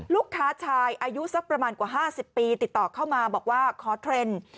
ลูกค้าชายอายุสักประมาณกว่า๕๐ปีติดต่อเข้ามาบอกว่าขอเทรนด์